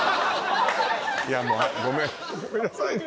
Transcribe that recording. いやもうごめんごめんなさいね